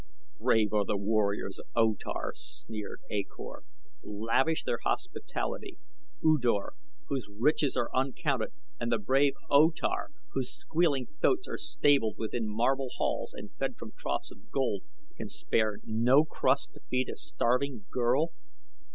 "Brave are the warriors of O Tar," sneered A Kor; "lavish their hospitality. U Dor, whose riches are uncounted, and the brave O Tar, whose squealing thoats are stabled within marble halls and fed from troughs of gold, can spare no crust to feed a starving girl."